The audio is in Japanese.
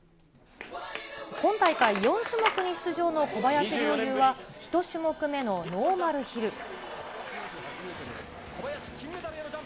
今大会４種目に出場の小林陵侑は、１種目目のノーマルヒル。